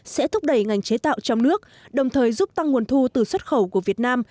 sẽ thúc đẩy ngành chế tạo trong nước đồng thời giúp tăng nguồn thu từ xuất khẩu của việt nam